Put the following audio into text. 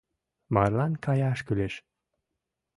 Марлан каяш кӱлеш!